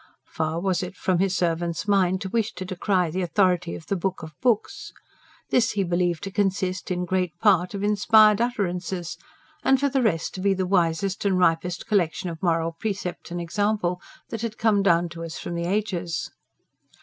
Far was it from His servant's mind to wish to decry the authority of the Book of Books. This he believed to consist, in great part, of inspired utterances, and, for the rest, to be the wisest and ripest collection of moral precept and example that had come down to us from the ages.